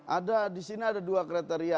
ada di sini ada dua kriteria